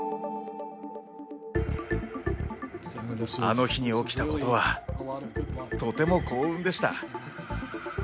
あの日に起きたことはとても幸運でした。